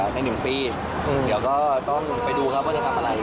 ใน๑ปีเดี๋ยวก็ต้องไปดูครับว่าจะทำอะไร